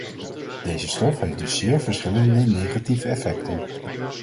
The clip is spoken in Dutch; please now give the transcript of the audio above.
Deze stof heeft dus zeer verschillende negatieve effecten.